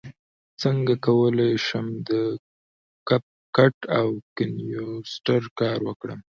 څنګه کولی شم د کپ کټ او کینوسټر کار وکړم